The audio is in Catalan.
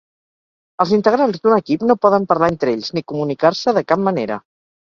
Els integrants d'un equip no poden parlar entre ells, ni comunicar-se de cap manera.